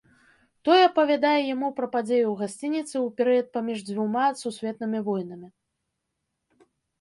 Той апавядае яму пра падзеі ў гасцініцы ў перыяд паміж дзвюма сусветнымі войнамі.